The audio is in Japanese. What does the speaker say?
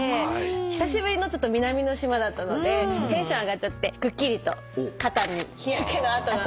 久しぶりの南の島だったのでテンション上がっちゃってくっきりと肩に日焼けの痕がつきました。